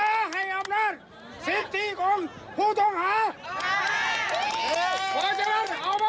เราสนุกได้ไหมครับ